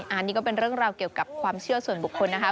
อันนี้ก็เป็นเรื่องราวเกี่ยวกับความเชื่อส่วนบุคคลนะคะ